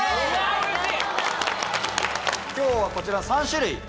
今日はこちら３種類。